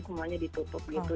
semuanya ditutup gitu